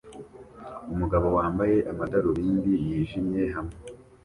Umugabo wambaye amadarubindi yijimye hamwe